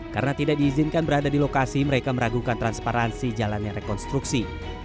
karena tidak diizinkan berada di lokasi mereka meragukan transparansi jalannya rekonstruksi